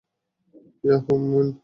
Yeah, হুম।